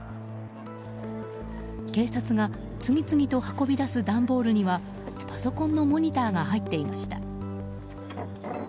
警察が次々と運び出す段ボールにはパソコンのモニターが入っていました。